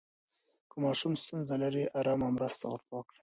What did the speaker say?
که ماشوم ستونزه لري، آرامه مرسته ورته وکړئ.